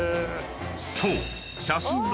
［そう］